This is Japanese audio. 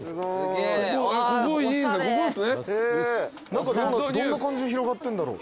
中どんな感じに広がってんだろ。